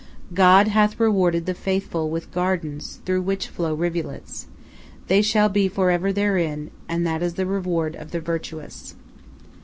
"God hath rewarded the faithful with gardens through which flow rivulets. They shall be for ever therein, and that is the reward of the virtuous."